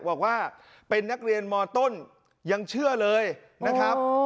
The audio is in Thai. บอกว่าเป็นนักเรียนมต้นยังเชื่อเลยนะครับ